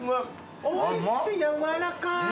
おいしい軟らかい。